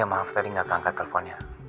ya maaf tadi gak keangkat teleponnya